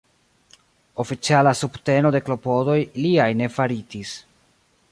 Oficiala subteno de klopodoj liaj ne faritis.